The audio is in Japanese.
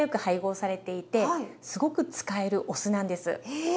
へえ。